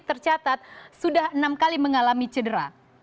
tercatat sudah enam kali mengalami cedera